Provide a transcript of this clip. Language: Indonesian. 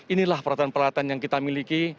inilah peralatan peralatan yang kita miliki